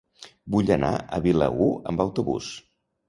Vull anar a Vilaür amb autobús.